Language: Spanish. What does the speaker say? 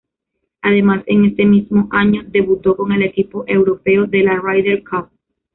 Además en este mismo año debutó con el equipo europeo de la Ryder Cup.